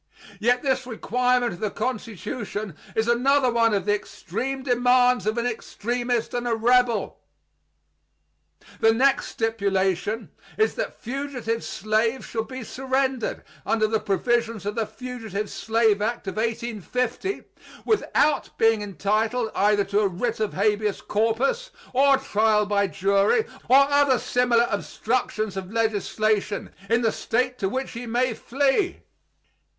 Yet this requirement of the Constitution is another one of the extreme demands of an extremist and a rebel. The next stipulation is that fugitive slaves shall be surrendered under the provisions of the Fugitive Slave Act of 1850, without being entitled either to a writ of habeas corpus, or trial by jury, or other similar obstructions of legislation, in the State to which he may flee.